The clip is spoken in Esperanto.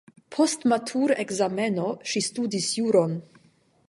Post matur-ekzameno ŝi studis juron.